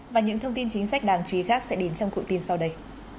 và những thông tin chính sách đáng chú ý khác sẽ đến trong cụ tin sau đây